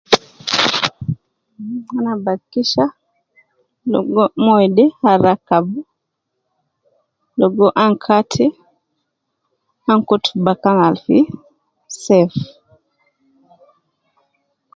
Ana bi akikisha logo moyo de ana rakab , logo ana kati, ana kutu bakan al fi safe.